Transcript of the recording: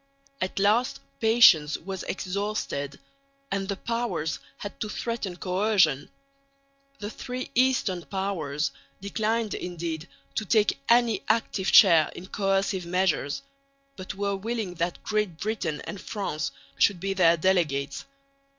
At last patience was exhausted, and the Powers had to threaten coercion. The three eastern Powers declined indeed to take any active share in coercive measures, but were willing that Great Britain and France should be their delegates.